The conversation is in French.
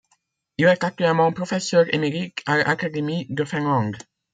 Il est actuellement professeur émérite à l'Académie de Finlande.